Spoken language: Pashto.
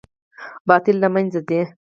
باطل له منځه ځي